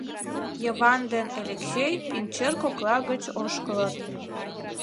Йыван ден Элексей пӱнчер кокла гыч ошкылыт.